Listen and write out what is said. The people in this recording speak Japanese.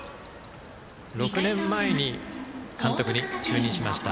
６年前に監督に就任しました。